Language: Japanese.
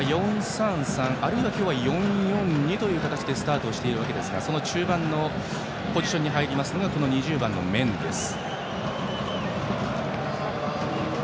４−３−３、あるいは４−４−２という形で今日はスタートしているわけですが中盤のポジションに入りますのが２０番のメンデス。